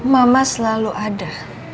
mama selalu ada